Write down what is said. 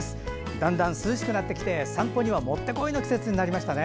だんだん涼しくなってきて散歩にはもってこいの季節になりましたね。